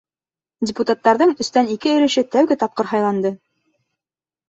Депутаттарҙың өстән ике өлөшө тәүге тапҡыр һайланды.